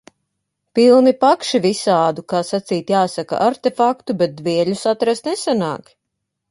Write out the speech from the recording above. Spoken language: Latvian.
Pilni pakši visādu, kā sacīt jāsaka, artefaktu, bet dvieļus atrast nesanāk!